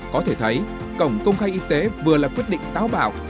có thể thấy cổng công khai y tế vừa là quyết định táo bảo